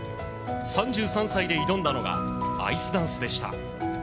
３３歳で挑んだのがアイスダンスでした。